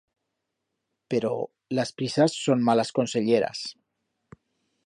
Pero, las prisas son malas conselleras.